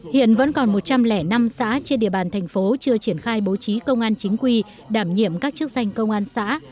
hiện vẫn còn một trăm linh năm xã trên địa bàn thành phố chưa triển khai bố trí công an chính quy đảm nhiệm các chức danh công an xã